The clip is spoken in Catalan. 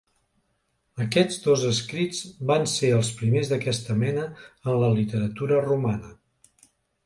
Aquests dos escrits van ser els primers d'aquesta mena en la literatura romana.